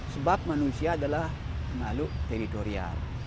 sebab manusia adalah makhluk teritorial